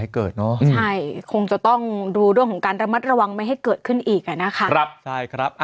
ใช่คงจะต้องดูเรื่องของการระมัดระวังไม่ให้เกิดขึ้นอีกอ่ะนะคะใช่ครับ